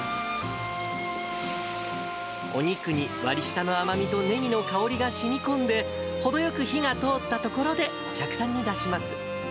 お肉に割り下の甘みとネギの香りがしみこんで、程よく火が通ったところで、お客さんに出します。